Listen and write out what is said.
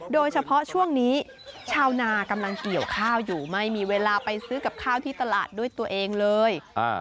โดยเฉพาะช่วงนี้ชาวนากำลังเกี่ยวข้าวอยู่ไม่มีเวลาไปซื้อกับข้าวที่ตลาดด้วยตัวเองเลย